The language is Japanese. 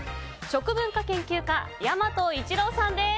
食文化研究家の大和一朗さんです。